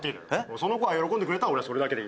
その子が喜んでくれたら俺はそれだけでいいんだから。